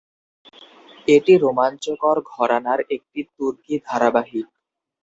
এটি রোমাঞ্চকর ঘরানার একটি তুর্কি ধারাবাহিক।